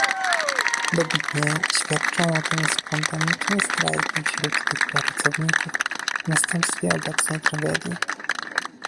Dobitnie świadczą o tym spontaniczne strajki wśród tych pracowników w następstwie obecnej tragedii